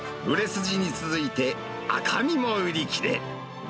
売れ筋に続いて、赤身も売り切れ。